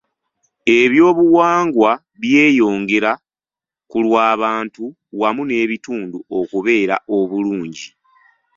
Ebyobuwangwa byeyongera ku lw'abantu wamu n'ebitundu okubeera obulungi.